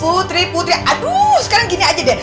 putri putri aduh sekarang gini aja deh